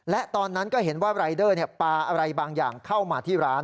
และตอนนั้นก็เห็นว่ารายเดอร์ปลาอะไรบางอย่างเข้ามาที่ร้าน